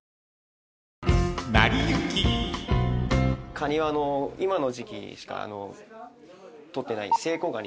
カニは今の時季にしかとってないセイコガニ。